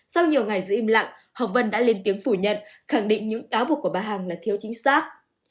sau nhiều ngày giữ im lặng hồng vân đã lên tiếng phủ nhận khẳng định những cáo buộc của bà hằng là thiếu chính xác